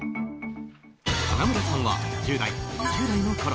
花村さんは１０代、２０代のころ